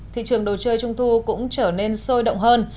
thị trường đồ chơi trung thu cũng trở nên sôi động hơn